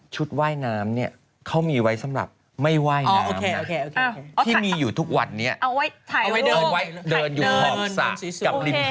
ชุดว่ายน้ำก็หลุดอ่ะที่มีอยู่ทุกวันนี้เอาไว้เดินอยู่ของสระกับริมฐาตร